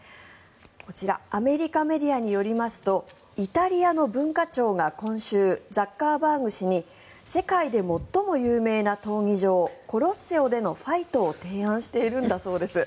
こちらアメリカメディアによりますとイタリアの文化庁が今週ザッカーバーグ氏に世界で最も有名な闘技場コロッセオでのファイトを提案しているんだそうです。